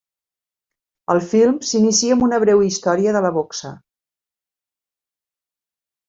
El film s'inicia amb una breu història de la boxa.